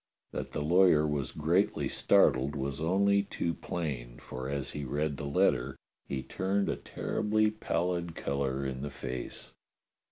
That the lawyer was greatly startled was only too plain, 252 DOCTOR SYN for as he read the letter he turned a terribly pallid colour in the face.